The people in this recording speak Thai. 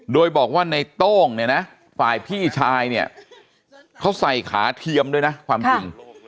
โดยบอกว่าในโต้งเนี่ยนะฝ่ายพี่ชายเนี่ยเขาใส่ขาเทียมด้วยนะความจริง